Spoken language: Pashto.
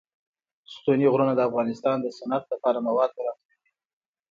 ستوني غرونه د افغانستان د صنعت لپاره مواد برابروي.